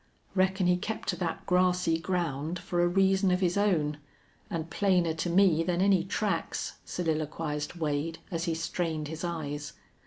"Reckon he kept to that grassy ground for a reason of his own and plainer to me than any tracks," soliloquized Wade, as he strained his eyes.